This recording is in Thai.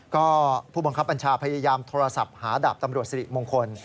ก็ผู้บังคับบัญชาพยายามโทรศัพท์หาดาบตำรวจสิริมงคล